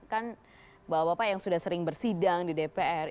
kan bapak bapak yang sudah sering bersidang di dpr